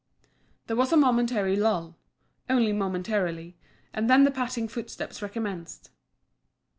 There was a momentary lull only momentary and then the patting footsteps recommenced.